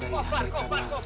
ayo kubar keluar